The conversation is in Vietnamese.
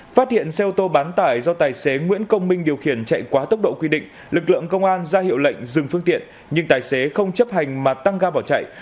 phát hiện xe ô tô bán tải do tài xế nguyễn công minh điều khiển chạy quá tốc độ quy định lực lượng công an ra hiệu lệnh dừng phương tiện nhưng tài xế không chấp hành mà tăng ga bỏ chạy